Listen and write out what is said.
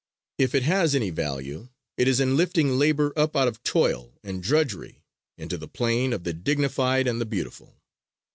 If it has any value it is in lifting labor up out of toil and drudgery into the plane of the dignified and the beautiful.